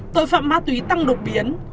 tội phạm ma túy tăng độc biến